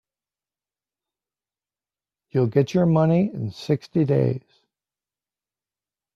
You'll get your money in sixty days.